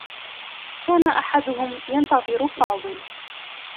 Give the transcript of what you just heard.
كان أحدهم ينتظر فاضل.